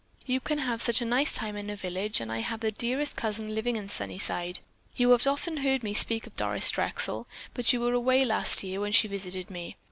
One can have such a nice time in a village and I have the dearest cousin living in Sunnyside. You have often heard me speak of Doris Drexel, but you were away last year when she visited me.